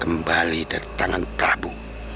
kembali dari tangan prabu